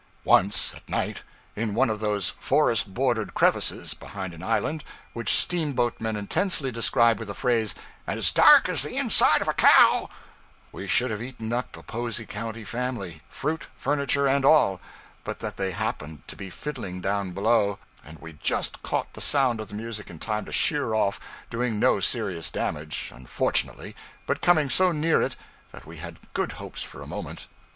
Once, at night, in one of those forest bordered crevices (behind an island) which steamboatmen intensely describe with the phrase 'as dark as the inside of a cow,' we should have eaten up a Posey County family, fruit, furniture, and all, but that they happened to be fiddling down below, and we just caught the sound of the music in time to sheer off, doing no serious damage, unfortunately, but coming so near it that we had good hopes for a moment.